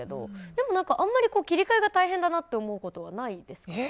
でも、あまり切り替えが大変だなと思うことはないですね。